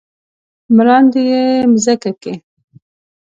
مراندې يې مځکه کې ،